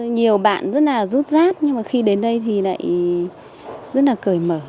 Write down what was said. nhiều bạn rất là rút rát nhưng mà khi đến đây thì lại rất là cởi mở